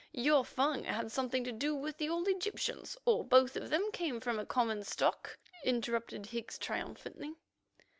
Your Fung had something to do with the old Egyptians, or both of them came from a common stock," interrupted Higgs triumphantly.